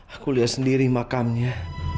aku lihat sendiri makamnya